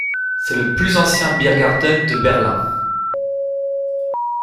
C'est le plus ancien biergarten de Berlin.